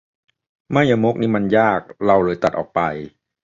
ไม่ยมกนี่มันยาก เราเลยตัดออกไป